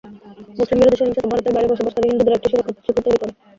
মুসলিম বিরোধী সহিংসতা ভারতের বাইরে বসবাসকারী হিন্দুদের একটি সুরক্ষা ঝুঁকি তৈরি করে।